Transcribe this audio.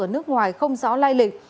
ở nước ngoài không rõ lai lịch